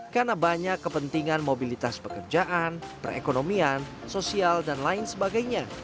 karena banyak kepentingan mobilitas pekerjaan perekonomian sosial dan lain sebagainya